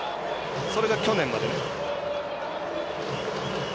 それが去年まで。